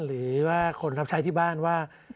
หรือว่าคนรับใช้ที่บ้านว่า